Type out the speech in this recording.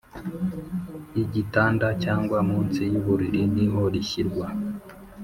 igitanda cyangwa munsi yuburiri niho rishyirwa